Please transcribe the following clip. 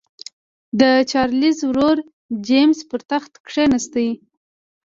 د چارلېز ورور جېمز پر تخت کېناست.